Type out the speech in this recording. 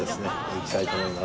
行きたいと思います。